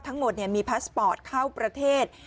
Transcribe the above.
ทั้งหมดมีพาสปอร์ตเข้าประเทศ